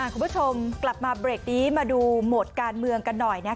คุณผู้ชมกลับมาเบรกนี้มาดูโหมดการเมืองกันหน่อย